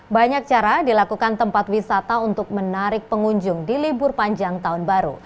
banyak cara dilakukan tempat wisata untuk menarik pengunjung di libur panjang tahun baru